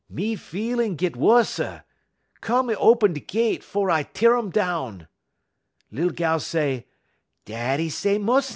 Me feelin' git wusser. Come y open de gett 'fo' I is teer um down.' "Lil gal say: 'Daddy say mus'n'.'